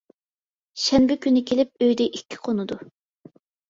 شەنبە كۈنى كېلىپ ئۆيدە ئىككى قونىدۇ.